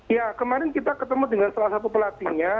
ya kemarin kita ketemu dengan salah satu pelatihnya